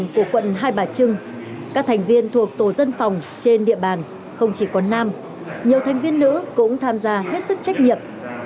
các thành viên thuộc tổ dân phòng trên địa bàn không chỉ có nam nhiều thành viên nữ cũng tham gia hết sức trách nhiệm